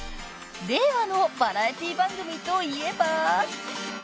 ［令和のバラエティー番組といえば］